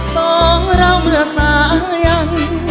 สองเราเมื่อสายัน